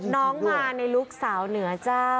น้องมาในลุคสาวเหนือเจ้า